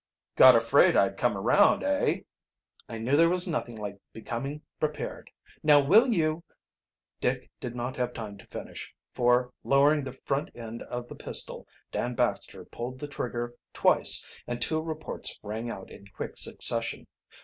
"Got afraid I'd come around, eh?" "I knew there was nothing like becoming prepared. Now will you " Dick did not have time to finish, for, lowering the front end of the pistol, Dan Baxter pulled the trigger twice and two reports rang out in quick succession.